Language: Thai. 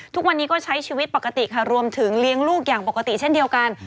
ทุกวันนี้ก็ใช้ชีวิตปกติค่ะรวมถึงเลี้ยงลูกอย่างปกติเช่นเดียวกัน